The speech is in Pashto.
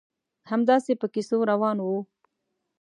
همداسې په کیسو روان وو.